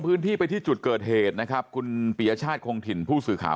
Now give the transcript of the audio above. พื้นที่ไปที่จุดเกิดเหตุนะครับคุณปียชาติคงถิ่นผู้สื่อข่าว